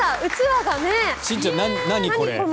しんちゃん、何これ？